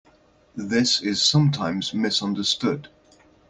This is sometimes misunderstood...